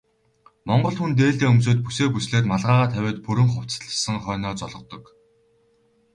Монгол хүн дээлээ өмсөөд, бүсээ бүслээд малгайгаа тавиад бүрэн хувцасласан хойноо золгодог.